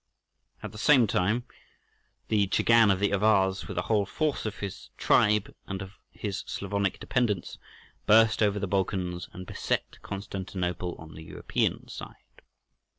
At the same moment the Chagan of the Avars, with the whole force of his tribe and of his Slavonic dependants, burst over the Balkans and beset Constantinople on the European side.